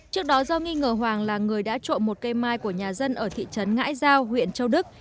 trước đó do nghi ngờ hoàng là người đã trộm một cây mai của nhà dân ở thị trấn ngãi giao huyện châu đức